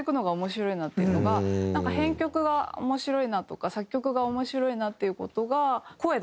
なんか編曲が面白いなとか作曲が面白いなっていう事が声だけで。